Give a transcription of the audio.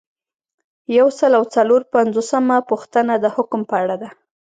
یو سل او څلور پنځوسمه پوښتنه د حکم په اړه ده.